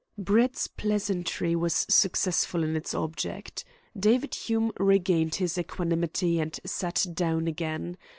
Brett's pleasantry was successful in its object. David Hume regained his equanimity and sat down again.